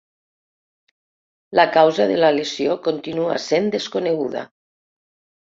La causa de la lesió continua sent desconeguda.